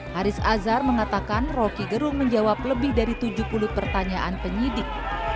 haris azhar mengatakan rocky gerung menjawab lebih dari tujuh puluh pertanyaan penyidik